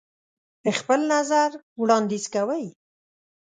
خپل نظر وړاندیز کوئ.